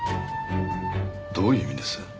どういう意味です？